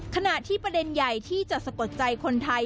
ขณะที่ประเด็นใหญ่ที่จะสะกดใจคนไทย